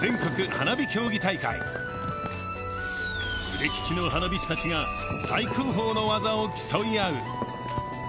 腕利きの花火師たちが最高峰の技を競い合う。